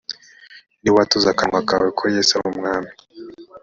niwatuza akanwa kawe yuko yesu ari umwami